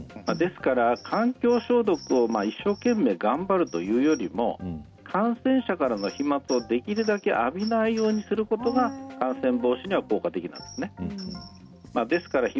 ですから環境消毒を一生懸命頑張るというよりも感染者からの飛まつをできるだけ浴びないようにすることが感染防止には効果的なんですね。